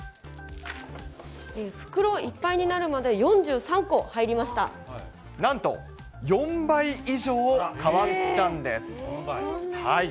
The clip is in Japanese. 袋いっぱいになるまで４３個なんと４倍以上変わったんでそんなに？